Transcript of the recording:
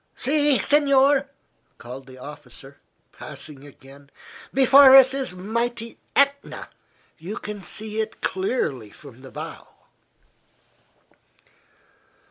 "See, signore!" called the officer, passing again; "before us is mighty Etna you can see it clearly from the bow."